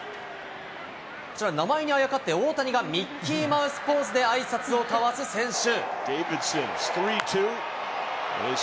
こちら、名前にあやかって大谷がミッキーマウスポーズであいさつを交わす選手。